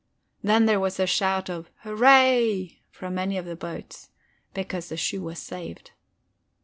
Then there was a shout of "Hurra" from many in the boats, because the shoe was saved.